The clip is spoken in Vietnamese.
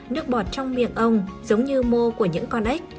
nước bọt trong miệng ông giống như mô của những con ếch